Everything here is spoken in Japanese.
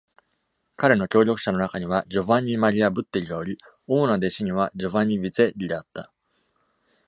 彼の協力者の中にはジョヴァンニ・マリア・ブッテリがおり、主な弟子にはジョヴァンニ・ビツェッリであった。